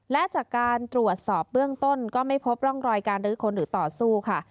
และจากการตรวจสอบเบื้องต้นก็ไม่พบร่องรอยการรื้อค้นหรือต่อสู้ค่ะ